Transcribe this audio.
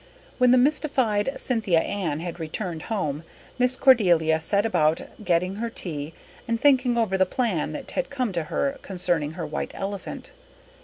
When the mystified Cynthia Ann had returned home Miss Cordelia set about getting her tea and thinking over the plan that had come to her concerning her white elephant.